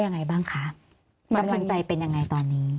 ยังไงบ้างคะกำลังใจเป็นยังไงตอนนี้